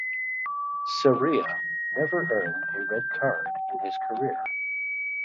Scirea never earned a red card in his career.